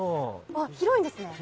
広いんですね。